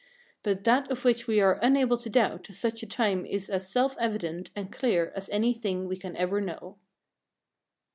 But that of which we are unable to doubt at such a time is as self evident and clear as any thing we can ever know.